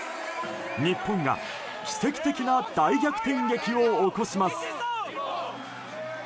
日本が奇跡的な大逆転劇を起こします。